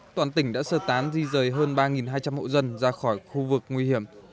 toàn tỉnh đã sơ tán di rời hơn ba hai trăm linh hộ dân ra khỏi khu vực nguy hiểm